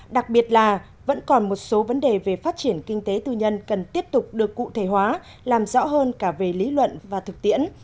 đặc biệt là vẫn còn một số vấn đề về phát triển kinh tế tư nhân cần tiếp tục được cụ thể hóa làm rõ hơn cả về lý luận và thực tiễn